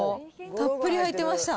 たっぷり入ってました。